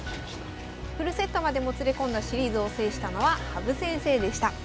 フルセットまでもつれ込んだシリーズを制したのは羽生先生でした。